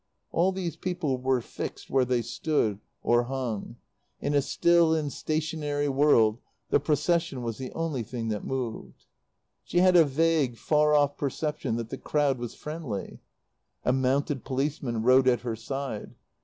All these people were fixed where they stood or hung. In a still and stationary world the Procession was the only thing that moved. She had a vague, far off perception that the crowd was friendly. A mounted policeman rode at her side.